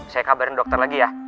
saya kabarin dokter lagi ya